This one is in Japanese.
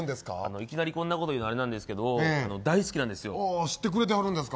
いきなりこんなこと言うのあれなんですけど知ってくれてはるんですか。